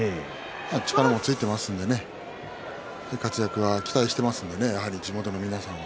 力もついていますので活躍は期待していますので地元の皆さんは。